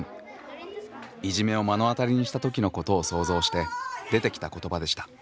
いじめを目の当たりにした時のことを想像して出てきた言葉でした。